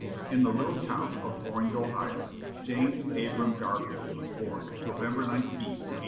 In the little town of Orange, Ohio, James Abram Garfield was born, November 19, 1831.